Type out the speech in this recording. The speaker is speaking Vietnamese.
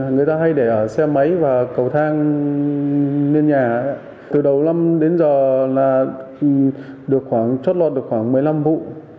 người ta hay để ở xe máy và cầu thang lên nhà từ đầu năm đến giờ là được khoảng chót lọt được khoảng một mươi năm vụ